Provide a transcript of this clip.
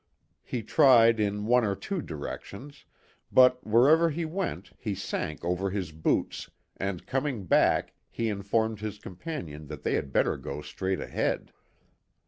He tried in one or two directions; but wherever he went he sank over his boots, and, coming back, he informed his companion that they had better go straight ahead.